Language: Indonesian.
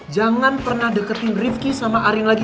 jangan pernah deketin rifki sama arin lagi